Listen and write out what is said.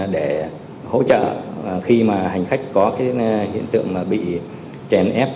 để hỗ trợ khi mà hành khách có cái hiện tượng bị chèn ép